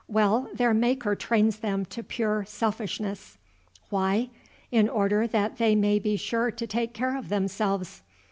Well, their Maker trains them to pure selfishness. Why? In order that they may be sure to take care of themselves.